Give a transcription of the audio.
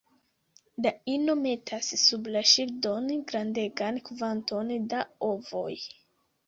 La ino metas sub la ŝildon grandegan kvanton da ovoj.